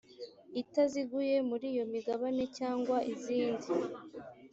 itaziguye muri iyo migabane cyangwa izindi